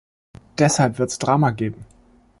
Deshalb wird’s Drama geben.